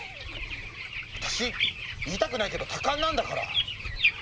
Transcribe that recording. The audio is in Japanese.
私言いたくないけど多感なんだから！